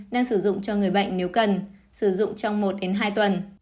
đang sử dụng cho người bệnh nếu cần sử dụng trong một hai tuần